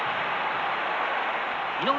井上